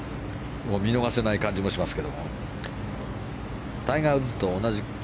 見逃せない感じもしますけど。